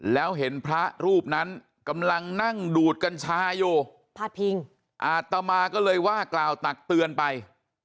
แล้วเห็นพระรูปนั้นกำลังนั่งดูดกัญชาอยู่พาดพิงอาตมาก็เลยว่ากล่าวตักเตือนไป